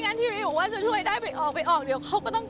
หนูวิ่งบ้านก็เซอร์เป็นอีบ้าน